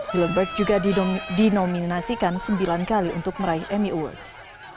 hillenburg juga dinominasikan sembilan kali untuk meraih emmy awards